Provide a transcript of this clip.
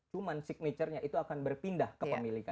cuman signature nya itu akan berpindah ke pemilikannya